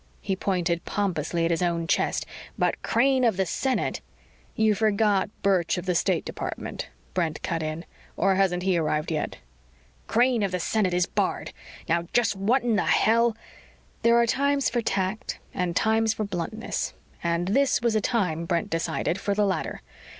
He pointed pompously at his own chest. "But Crane of the Senate " "You forgot Birch of the State Department," Brent cut in. "Or hasn't he arrived yet?" " Crane of the Senate is barred! Now just what in the hell ?" There are times for tact and times for bluntness, and this was a time, Brent decided, for the latter.